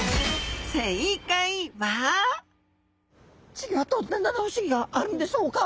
稚魚はどんな七不思議があるんでしょうか？